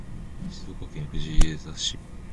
静岡県藤枝市